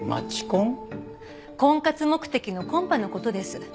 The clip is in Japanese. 婚活目的のコンパの事です。